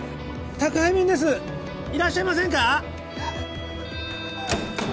宅配便ですいらっしゃいませんか？